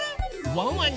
ワンワン